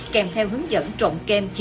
kèm theo hướng dẫn